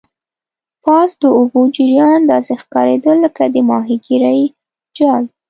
پاس د اوبو جریان داسې ښکاریدل لکه د ماهیګرۍ جال.